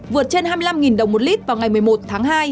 vượt trên hai mươi năm đồng một lít vào ngày một mươi một tháng hai